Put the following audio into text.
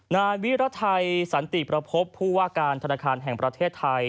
นายวิรไทยสันติประพบผู้ว่าการธนาคารแห่งประเทศไทย